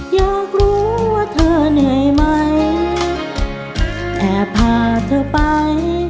อยากรู้ว่าเธอเหนื่อยไหมแอบพาเธอไป